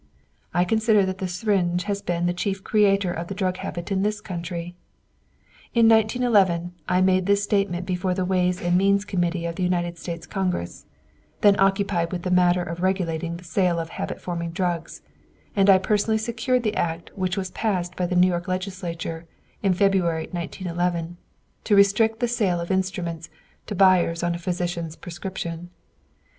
I consider that the syringe has been the chief creator of the drug habit in this country. In 1911 I made this statement before the Ways and Means Committee of the United States Congress, then occupied with the matter of regulating the sale of habit forming drugs, and I personally secured the act which was passed by the New York legislature in February, 1911, to restrict the sale of this instrument to buyers on a physician's prescription.